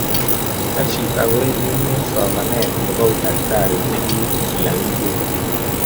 Rashid okoy inye somanee ne bo Udaktari ne keibu ial ngwek